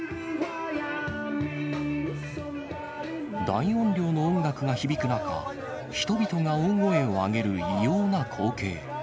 大音量の音楽が響く中、人々が大声を上げる異様な光景。